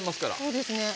そうですね。